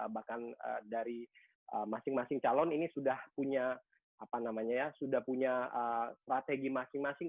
bahkan dari masing masing calon ini sudah punya strategi masing masing